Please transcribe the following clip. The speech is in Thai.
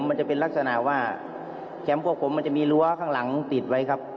มันจะเป็นลักษณะว่าแคมป์พวกผมมันจะมีรั้วข้างหลังติดไว้ครับ